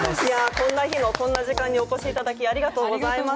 こんな日のこんな時間に起こしいただきありがとうございます。